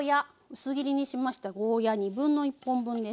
薄切りにしましたゴーヤー1/2本分ですね。